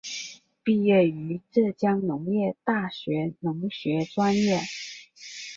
毕业于浙江农业大学农学专业。